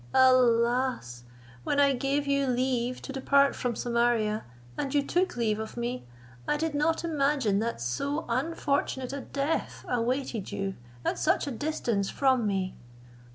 Alas! when I gave you leave to depart from Samaria, and you took leave of me, I did not imagine that so unfortunate a death awaited you at such a distance from me.